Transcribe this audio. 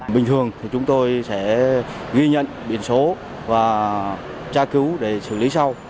bình thường thì chúng tôi sẽ ghi nhận biển số và tra cứu để xử lý sau